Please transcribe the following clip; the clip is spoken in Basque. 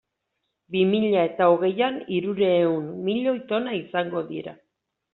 Bi mila eta hogeian hirurehun milioi tona izango dira.